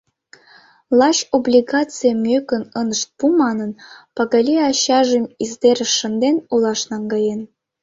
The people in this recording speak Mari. Лач облигацийым ӧкым ынышт пу манын, Палагий ачажым, издерыш шынден, олаш наҥгаен.